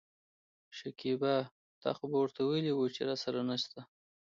شکيبا : تا خو به ورته وويلي وو چې راسره نشته.